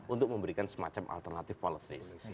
untuk memberikan semacam alternatif policy